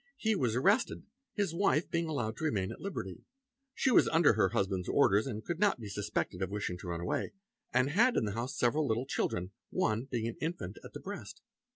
He was arrested, his wife being allowed to remain at liberty ; she was under her husband's orders, could not be suspected of wishing to run away, and had in the house several little children, one being an infant at the breast.